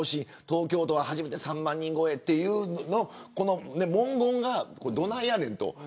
東京都が初めて３万人超えというこの文言がどないやねんと。